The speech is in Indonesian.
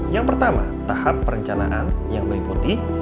yang pertama tahap perencanaan yang meliputi